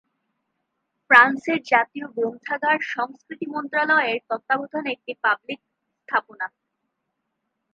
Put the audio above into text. ফ্রান্সের জাতীয় গ্রন্থাগার সংস্কৃতি মন্ত্রণালয়ের তত্ত্বাবধানে একটি পাবলিক স্থাপনা।